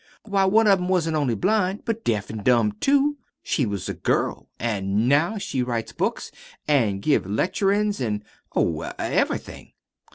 Why, one of 'em wasn't only blind, but deaf an' dumb, too. She was a girl. An' now she writes books an' gives lecturin's, an', oh, ev'rything."